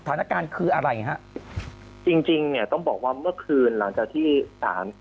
สถานการณ์คืออะไรฮะจริงจริงเนี่ยต้องบอกว่าเมื่อคืนหลังจากที่สาร